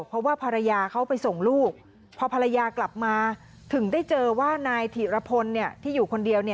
เพราะว่าภรรยาเขาไปส่งลูกพอภรรยากลับมาถึงได้เจอว่านายถิรพลที่อยู่คนเดียว